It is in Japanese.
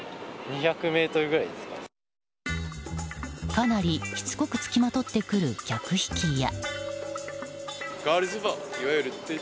かなりしつこくつきまとってくる客引きや。